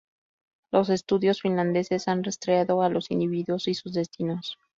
Los estudios finlandeses han rastreado a los individuos y sus destinos.